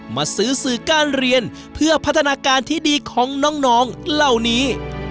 มาซื้อสื่อการเรียนเพื่อพัฒนาการที่ดีของน้องเหล่านี้